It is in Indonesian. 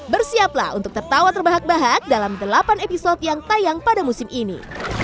bersiaplah untuk tertawa terbahak bahak dalam delapan episode yang tayang pada musim ini